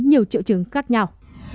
nhiều triệu chứng khác nhau